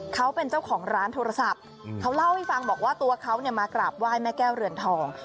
เขาเป็นเจ้าของร้านโทรศัพท์เขาเล่าให้ฟังบอกว่าตัวเขาเนี่ยมากราบไหว้แม่แก้วเรือนทอง